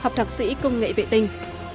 công nghệ vệ tinh